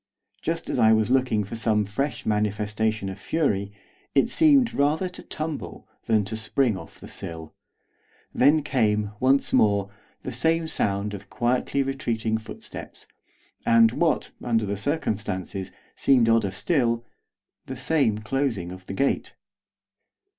Just as I was looking for some fresh manifestation of fury, it seemed rather to tumble than to spring off the sill; then came, once more, the same sound of quietly retreating footsteps; and what, under the circumstances, seemed odder still, the same closing of the gate.